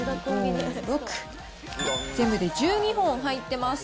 ４、５、６、全部で１２本入ってます。